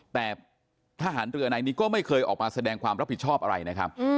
แต่ทหารเรือในนี้ก็ไม่เคยออกมาแสดงความรับผิดชอบอะไรนะครับ